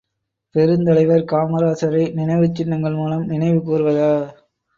பெருந்தலைவர் காமராசரை நினைவுச் சின்னங்கள் மூலம் நினைவு கூர்வதா?